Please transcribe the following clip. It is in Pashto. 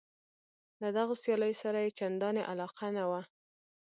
له دغو سیالیو سره یې چندانې علاقه نه وه.